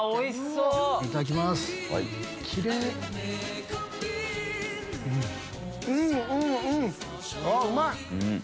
うまい！